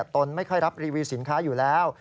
ตนไม่ค่อยรับรีวิวสินค้าอยู่แล้ว